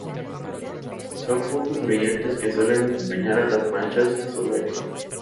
Son puntos brillantes que suelen acompañar a las manchas solares.